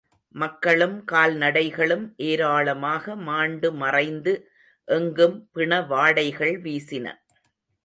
மக்களும், கால்நடைகளும் ஏராளமாக மாண்டு மறைந்து, எங்கும் பிணவாடைகள் வீசின.